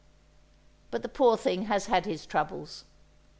But the poor thing has had his troubles.